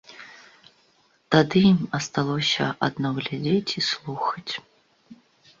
Тады ім асталося адно глядзець і слухаць.